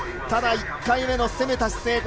ただ、１回目、攻めた姿勢。